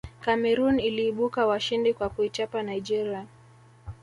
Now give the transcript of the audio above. cameroon iliibuka washindi kwa kuichapa nigeria